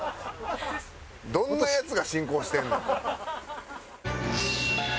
どんなヤツが進行してんねん。